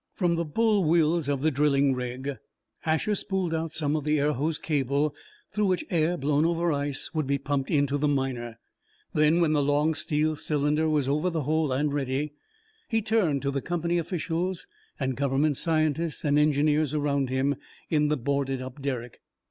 From the bull wheels of the drilling rig Asher spooled out some of the air hose cable through which air blown over ice would be pumped into the Miner; then when the long steel cylinder was over the hole and ready, he turned to the company officials and government scientists and engineers around him in the boarded up derrick.